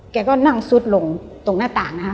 แกก็นั่งซุดลงตรงหน้าต่างนะคะ